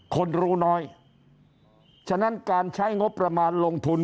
คนรู้น้อยฉะนั้นการใช้งบประมาณลงทุน